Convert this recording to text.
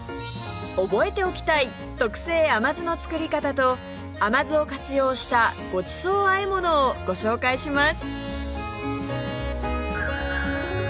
覚えておきたい特製甘酢の作り方と甘酢を活用したごちそうあえものをご紹介します